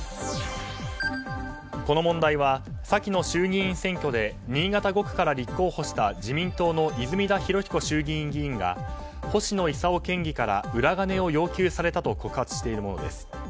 この問題は先の衆議院選挙で新潟５区から立候補した自民党の泉田裕彦衆議院議員が星野伊佐夫県議から裏金を要求されたと告発しているものです。